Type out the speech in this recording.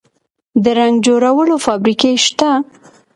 د رنګ جوړولو فابریکې شته؟